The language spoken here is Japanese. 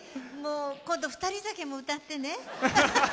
今度「ふたり酒」も歌ってね。